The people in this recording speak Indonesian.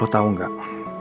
lo tau gak